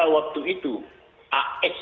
waktu itu as